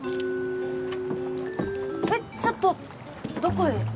えっちょっとどこへ？